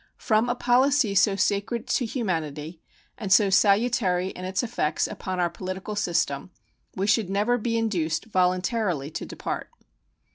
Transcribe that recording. From a policy so sacred to humanity and so salutary in its effects upon our political system we should never be induced voluntarily to depart.